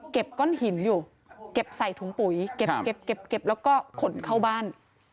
ก้อนหินอยู่เก็บใส่ถุงปุ๋ยเก็บแล้วก็ขนเข้าบ้าน